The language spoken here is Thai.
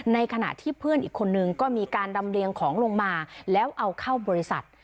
ในขณะที่เพื่อนอีกคนนึงก็มีการลำเลียงของลงมาแล้วเอาเข้าบริษัท